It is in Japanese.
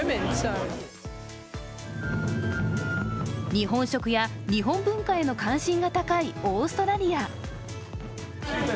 日本食や日本文化への関心が高い、オーストラリア。